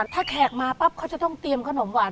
ถ้าแขกมาปั๊บเขาจะต้องเตรียมขนมหวาน